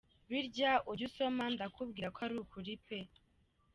Birya ujya usoma ndakubwira ko ari ukuri pe !